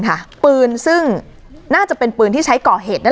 สลับผัดเปลี่ยนกันงมค้นหาต่อเนื่อง๑๐ชั่วโมงด้วยกัน